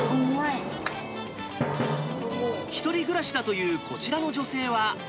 １人暮らしだというこちらの女性は。